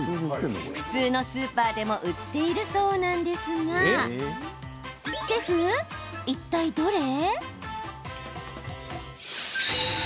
普通のスーパーでも売っているそうなんですがシェフ、いったいどれ？